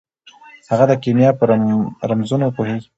هغه د کیمیا په رمزونو پوهیږي.